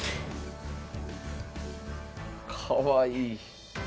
かわいい。